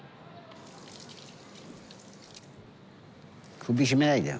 首絞めないでよ。